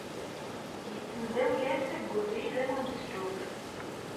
Yettemdawlat deg ubrid am umeslub.